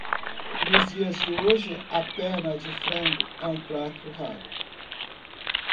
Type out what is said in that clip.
Nos dias de hoje, a perna de frango é um prato raro.